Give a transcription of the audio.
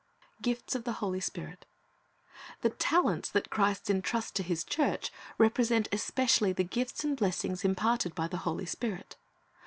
GIFTS OF THE HOLY SPIRIT The talents that Christ entrusts to His church represent especially the gifts and blessings imparted by the Holy Spirit.